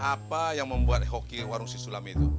apa yang membuat hoki warung sisulah me itu